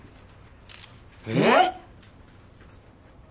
えっ！？